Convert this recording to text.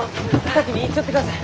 先に行っちょってください！